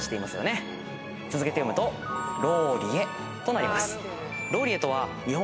続けて読むと「ローりえ」となります。